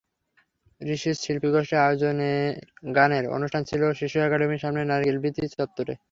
ঋষিজ শিল্পীগোষ্ঠীর আয়োজনে গানের অনুষ্ঠান ছিল শিশু একাডেমির সামনের নারিকেলবীথি চত্বরে।